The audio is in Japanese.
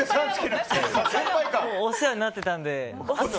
お世話になってたので。